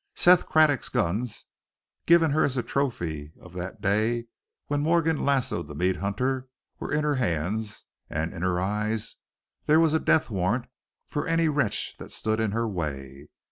Seth Craddock's guns, given her as a trophy of that day when Morgan lassoed the meat hunter, were in her hands, and in her eyes there was a death warrant for any wretch that stood in her way.